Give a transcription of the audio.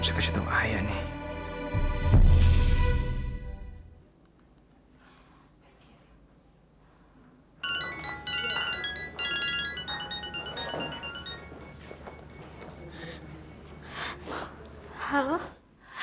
siapa jatuh ayah nih